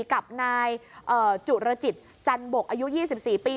กับนายจุรจิตจันบกอายุ๒๔ปี